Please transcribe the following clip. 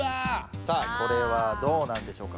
さあこれはどうなんでしょうか？